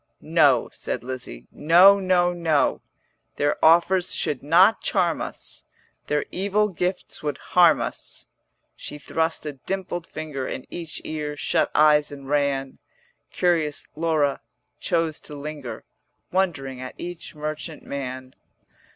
'No,' said Lizzie, 'No, no, no; Their offers should not charm us, Their evil gifts would harm us.' She thrust a dimpled finger In each ear, shut eyes and ran: Curious Laura chose to linger Wondering at each merchant man.